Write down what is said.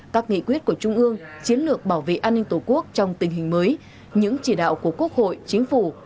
các nghị quyết của trung ương chiến lược bảo vệ an ninh tổ quốc trong tình hình mới những chỉ đạo của quốc hội chính phủ